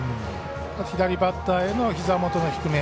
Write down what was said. あと左バッターへのひざ元の低め。